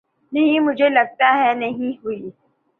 نہیں مجھےلگتا ہے نہیں ہوئی